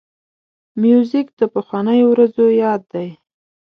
موزیک د پخوانیو ورځو یاد دی.